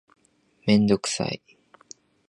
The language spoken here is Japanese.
メンドクサイ